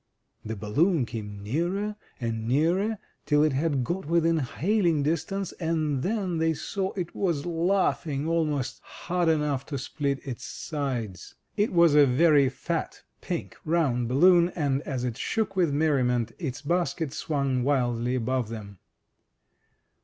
The balloon came nearer and nearer, till it had got within hailing distance, and then they saw it was laughing almost hard enough to split its sides. It was a very fat, pink, round balloon, and as it shook with merriment, its basket swimg wildly above them.